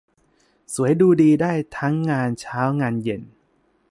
สวยดูดีได้ทั้งงานเช้างานเย็น